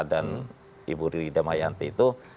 dan ibu rida mayanti itu